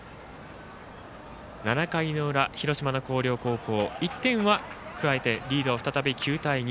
７回の裏、広島の広陵高校１点は加えてリードを再び９対２。